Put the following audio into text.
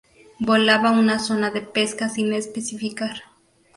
Volaba a una zona de pesca sin especificar.